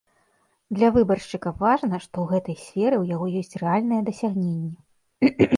Для выбаршчыка важна, што ў гэтай сферы ў яго ёсць рэальныя дасягненні.